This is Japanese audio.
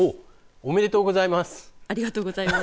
おめでとうございます。